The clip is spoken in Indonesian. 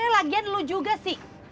lagian lo juga sih